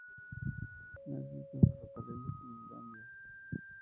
No existen ferrocarriles en Islandia.